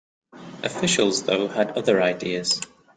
Officials though had other ideas.